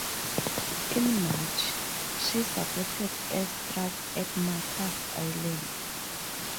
In March, she supported air strikes at Marcus Island.